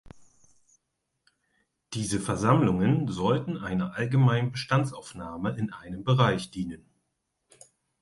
Diese Versammlungen sollten einer allgemeinen Bestandsaufnahme in einem Bereich dienen.